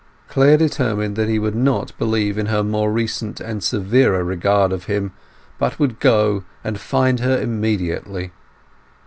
Clare determined that he would no longer believe in her more recent and severer regard of him, but would go and find her immediately.